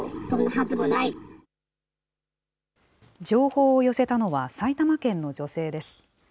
情報を寄せたのは、埼玉県の女性です。